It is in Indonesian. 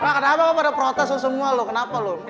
pak kenapa kok pada protes loh semua lo kenapa lo